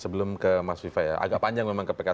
sebelum ke mas viva ya agak panjang memang ke pks